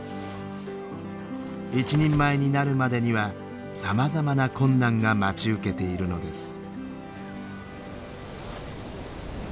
一人前になるまでにはさまざまな困難が待ち受けているのです。